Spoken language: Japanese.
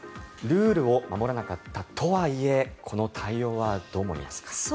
ルールを守らなかったとはいえこの対応はどう思いますか。